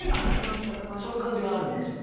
そういう感じがあるんですよね。